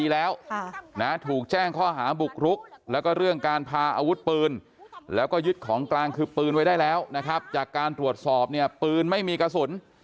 แล้วก็ยึดของกลางคือปืนไว้ได้แล้วนะครับจากการตรวจสอบเนี่ยปืนไม่มีกระสุน